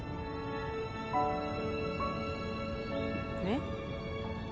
えっ？